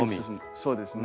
そうですね。